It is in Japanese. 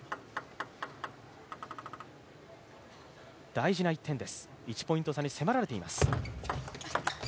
大事な１点です、１ポイント差に迫られています。